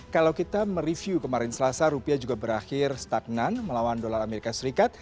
kalau kita mereview kemarin selasa rupiah juga berakhir stagnan melawan dolar amerika serikat